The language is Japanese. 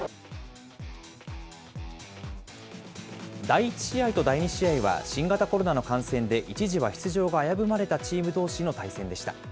第１試合と第２試合は、新型コロナの感染で一時は出場が危ぶまれたチームどうしの対戦でした。